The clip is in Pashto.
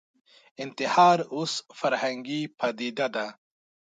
انتحار اوس فرهنګي پدیده ده